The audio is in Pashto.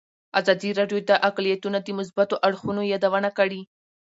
ازادي راډیو د اقلیتونه د مثبتو اړخونو یادونه کړې.